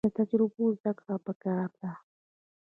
له تجربو زده کړه پکار ده